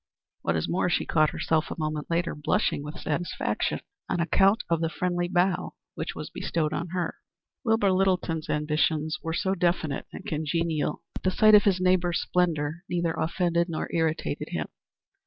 What is more she caught herself a moment later blushing with satisfaction on account of the friendly bow which was bestowed on her. Wilbur Littleton's ambitions were so definite and congenial that the sight of his neighbors' splendor neither offended nor irritated him.